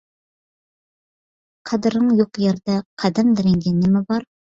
قەدرىڭ يوق يەردە قەدەملىرىڭگە نېمە بار؟